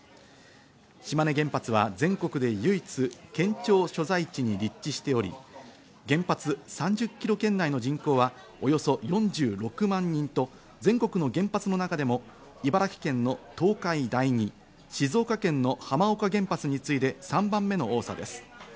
島根原発は全国で唯一、県庁所在地に立地しており、原発３０キロ圏内の人口はおよそ４６万人と、全国の原発の中でも茨城県の東海第二、静岡県の浜岡原発に次いで３番目の多さです。